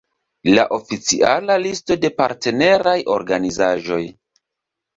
La oficiala listo de partneraj organizaĵoj.